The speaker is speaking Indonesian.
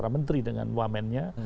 menteri dengan wamennya